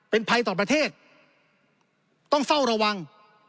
เป็นภัยต่อประเทศต้องเฝ้าระวัง